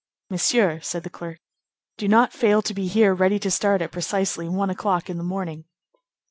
"Monsieur," said the clerk, "do not fail to be here ready to start at precisely one o'clock in the morning."